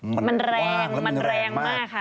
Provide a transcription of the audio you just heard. มันแรงมันแรงมากค่ะ